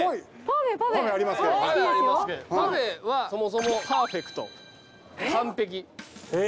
パフェはそもそも「パーフェクト」「完璧」え！